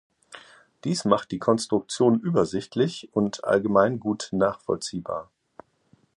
Dies macht die Konstruktion übersichtlich und allgemein gut nachvollziehbar.